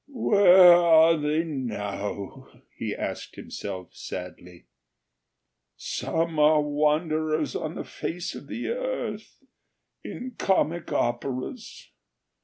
"Where are they now?" he asked himself, sadly. "Some are wanderers on the face of the earth, in comic operas.